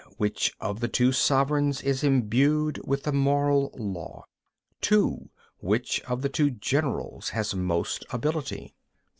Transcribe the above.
(1) Which of the two sovereigns is imbued with the Moral law? (2) Which of the two generals has most ability?